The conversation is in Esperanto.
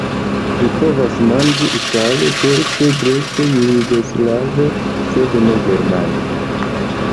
Vi povas manĝi itale, turke, greke, jugoslave, sed ne germane.